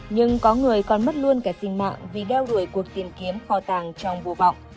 nhưng có người còn mất luôn cả sinh mạng vì đeo đuổi cuộc tìm kiếm kho tàng trong vô bọng